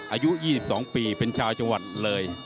อายุ๒๒ปีเป็นชาวจังหวัดเลย